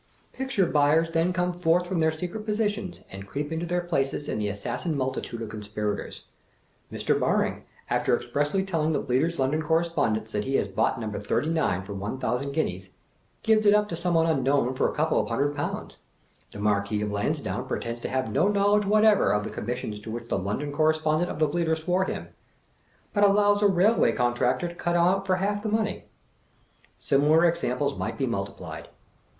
Picture buyers then come forth from their secret positions, and creep into their places in the assassin multitude of conspirators. Mk. Baking, after ex pressly telling the Bleater' s London Correspondent that he had bought No. 39 for one thousand guineas, gives it up to somebody unknown for a couple of hundred pounds; The Makquis 01" Lansdowne pretends to have no knowledge whatever of the commissions to which the London Corre spondent of the Bleater swore him, but allows a Eailway Contractor to cut him out for half the money. Similar ex amples might be multiplied.